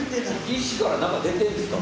石から何か出てんですか？